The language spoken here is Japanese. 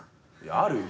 あるよ。